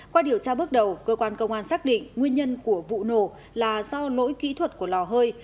qua điều tra bước đầu cơ quan công an xác định nguyên nhân của vụ nổ là do lỗi kỹ thuật của lò hơi